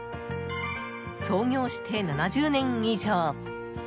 創業して７０年以上！